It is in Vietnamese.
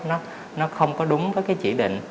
nó không có đúng với chỉ định